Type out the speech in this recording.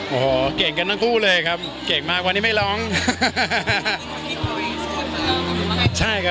ผมขนาดนี้ตั้งสองปีลงครับ